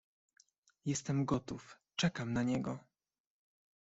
"jestem gotów, czekam na niego!"